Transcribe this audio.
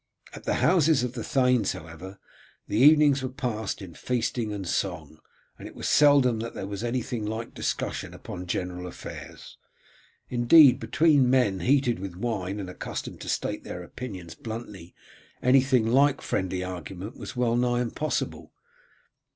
At the houses of the thanes, however, the evenings were passed in feasting and song, and it was seldom that there was anything like discussion upon general affairs. Indeed, between men heated with wine and accustomed to state their opinions bluntly anything like friendly argument was well nigh impossible.